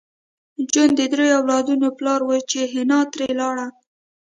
جون د دریو اولادونو پلار و چې حنا ترې لاړه